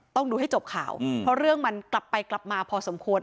ต้องดูให้จบข่าวเพราะเรื่องมันกลับไปกลับมาพอสมควร